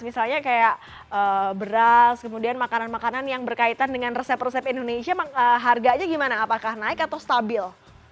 misalnya kayak beras kemudian makanan makanan yang berkaitan dengan resep resep indonesia harganya gimana apakah naik atau stabil